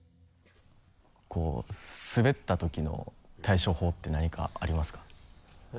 すべったときの対処法って何かありますか？